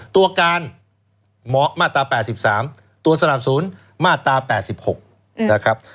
ตัวการเหมาะมาตรา๘๓ตัวสนับศูนย์มาตรา๘๖นะครับ